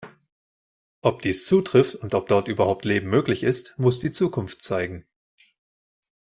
Ob dies zutrifft und ob dort überhaupt Leben möglich ist, muss die Zukunft zeigen.